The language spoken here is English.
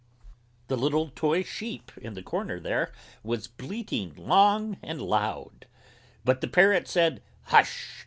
The little Toy Sheep in the corner there Was bleating long and loud; But the Parrot said "Hush!"